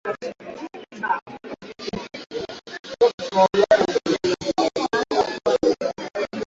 wanyama wanapo wanapoegemea miti hiyo au kujisugua kwenye sehemu hizo